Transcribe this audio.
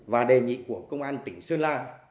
và đề nghị của công an tỉnh sơn la